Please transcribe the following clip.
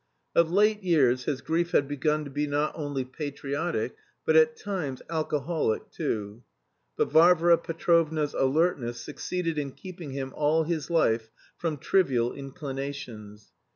Of late years his grief had begun to be not only patriotic, but at times alcoholic too; but Varvara Petrovna's alertness succeeded in keeping him all his life from trivial inclinations.